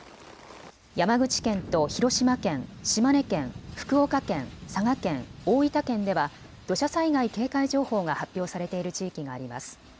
山口県と広島県、島根県、福岡県、佐賀県、大分県では土砂災害警戒情報が発表されている地域があります。